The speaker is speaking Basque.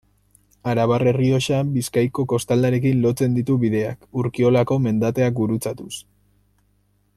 Arabar Errioxa Bizkaiko kostaldearekin lotzen ditu bideak, Urkiolako mendatea gurutzatuz.